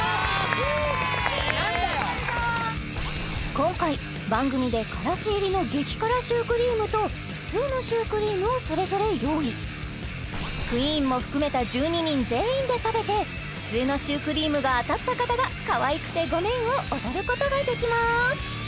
今回番組でカラシ入りの激辛シュークリームと普通のシュークリームをそれぞれ用意クイーンも含めた１２人全員で食べて普通のシュークリームが当たった方が「可愛くてごめん」を踊ることができます